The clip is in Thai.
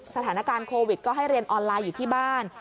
สถานการณ์โควิดก็ให้เรียนออนไลน์อยู่ที่บ้าน